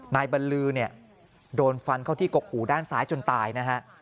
บรรลือเนี่ยโดนฟันเข้าที่กกหูด้านซ้ายจนตายนะฮะ